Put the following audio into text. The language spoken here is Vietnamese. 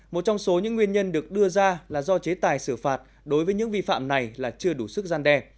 một trong số những nguyên nhân được đưa ra là do chế tài xử phạt đối với những vi phạm này là chưa đủ sức gian đe